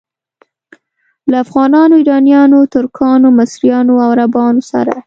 له افغانانو، ایرانیانو، ترکانو، مصریانو او عربانو سره.